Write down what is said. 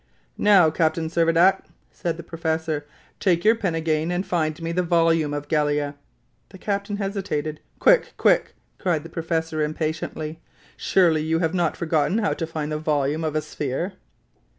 "Now, Captain Servadac," said the professor, "take your pen again, and find me the volume of Gallia." The captain hesitated. "Quick, quick!" cried the professor, impatiently; "surely you have not forgotten how to find the volume of a sphere!"